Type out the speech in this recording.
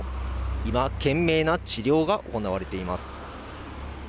今、懸命な治療が行われています。